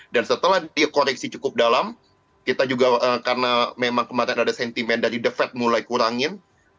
dan setelah koreksi cukup dalam kita juga karena memang kemarin ada sentimen dari the fed mulai kurangin